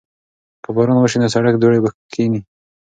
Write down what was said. که باران وشي نو د سړک دوړې به کښېني.